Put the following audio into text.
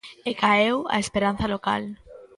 E caeu a esperanza local.